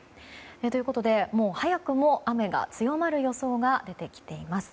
ということでもう早くも雨が強まる予想が出てきています。